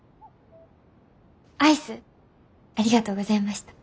アイスありがとうございました。